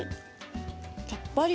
さっぱり！